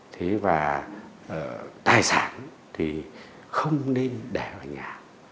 thế và tài sản thì không nên đẻ ở nhà